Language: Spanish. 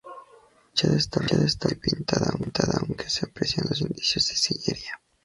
La fachada está revocada y pintada, aunque se aprecian los indicios de sillería.